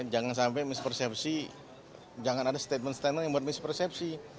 jangan sampai mispersepsi jangan ada statement standard yang membuat mispersepsi